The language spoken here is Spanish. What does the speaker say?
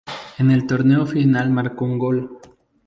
En el torneo final marcó un gol.